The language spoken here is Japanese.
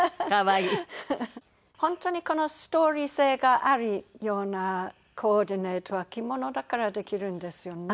本当にストーリー性があるようなコーディネートは着物だからできるんですよね。